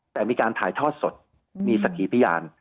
แต่มีการถ่ายทอดสดมีสักขีพยาน